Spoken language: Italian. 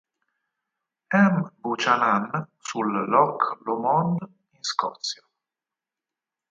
M. Buchanan sul Loch Lomond in Scozia.